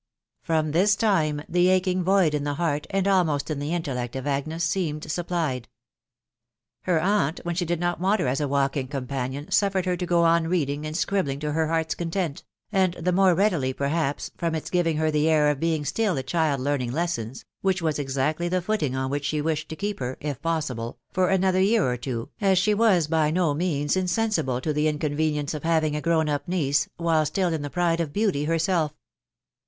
From this time the aching void in the heart, and almost in the intellect of Agnes, seemed supplied. Her aunt, when she did not want her as a walking companion, suffered her to go on reading and scribbling to her heart's content, and the more readily, perhaps, from its giving her the air of being still a child learning lessons* which was exactly the footing on which she wished to keep her, if possible, for another year or two, as she was by no means insensible to the inconvenience of having a grown up niece, while still in the pride of beauty herself.